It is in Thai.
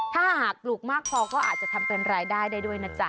ถ้าหากปลูกมากพอก็อาจจะทำเป็นรายได้ได้ด้วยนะจ๊ะ